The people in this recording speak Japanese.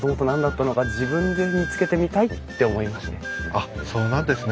あっそうなんですね。